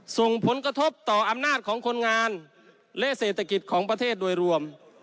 ส่งผลกระทบต่ออำนาจของคนงานและเศรษฐกิจของประเทศโดยรวม